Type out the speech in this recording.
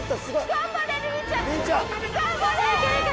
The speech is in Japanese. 頑張れ！